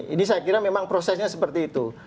ini saya kira memang prosesnya seperti itu